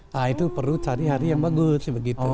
nah itu perlu cari hari yang bagus begitu